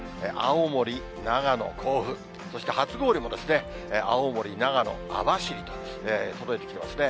青森、長野、甲府、そして、初氷もですね、青森、長野、網走と、届いてきてますね。